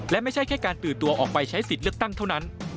และไม่ใช่แค่การตื่นตัวออกไปใช้สิทธิ์เลือกตั้งเท่านั้น